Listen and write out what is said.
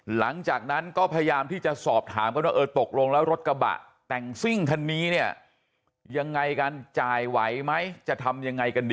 หลังจากนั้นก็พยายามที่จะสอบถามกันว่าเออตกลงแล้วรถกระบะแต่งซิ่งคันนี้เนี่ยยังไงกันจ่ายไหวไหมจะทำยังไงกันดี